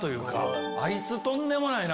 あいつとんでもないな！